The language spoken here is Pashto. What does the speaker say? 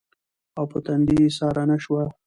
او پۀ تندې ايساره نۀ شوه